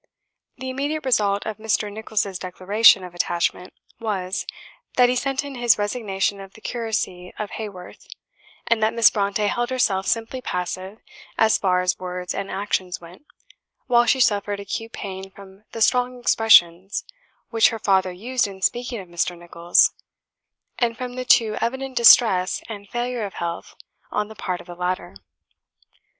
The immediate result of Mr. Nicholls' declaration of attachment was, that he sent in his resignation of the curacy of Haworth; and that Miss Brontë held herself simply passive, as far as words and actions went, while she suffered acute pain from the strong expressions which her father used in speaking of Mr. Nicholls, and from the too evident distress and failure of health on the part of the latter.